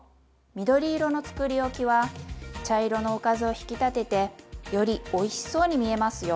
緑色のつくりおきは茶色のおかずを引き立ててよりおいしそうに見えますよ。